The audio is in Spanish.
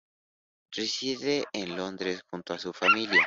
Reside en Londres junto a su familia.